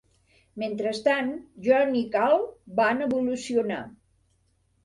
Mentrestant, John i Karl van evolucionar.